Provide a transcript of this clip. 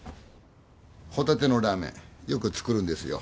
ホタテのラーメンよく作るんですよ。